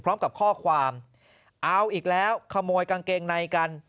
พร้อมกับข้อความเอาอีกแล้วขโมยกางเกงในกัน